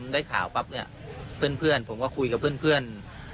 ได้ข่าวปั๊บเนี่ยเพื่อนผมก็คุยกับเพื่อน